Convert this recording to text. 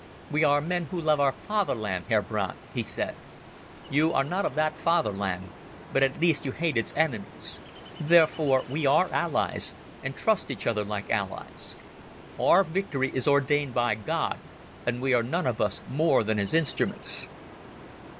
"We are men who love our Fatherland, Herr Brandt," he said. "You are not of that Fatherland, but at least you hate its enemies. Therefore we are allies, and trust each other like allies. Our victory is ordained by God, and we are none of us more than His instruments."